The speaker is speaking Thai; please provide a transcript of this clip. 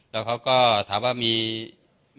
แล้วเขาก็ถามว่ามีแบงค์ยอม